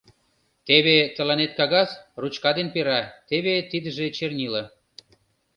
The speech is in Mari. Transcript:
Теве тыланет кагаз, ручка ден пера, теве тидыже чернила.